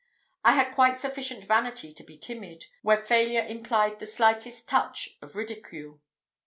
I had quite sufficient vanity to be timid, where failure implied the slightest touch of ridicule.